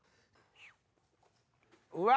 うわ。